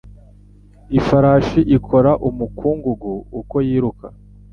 Ifarashi ikora umukungugu uko yiruka.